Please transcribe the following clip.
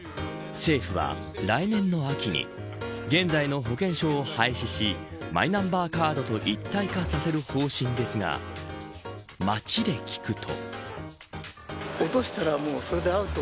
政府は来年の秋に現在の保険証を廃止しマイナンバーカードと一体化させる方針ですが街で聞くと。